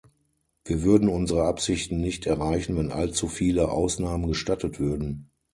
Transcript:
Wir würden unsere Absichten nicht erreichen, wenn allzu viele Ausnahmen gestattet würden.